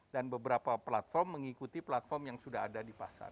dan beberapa platform mengikuti platform yang sudah ada di pasar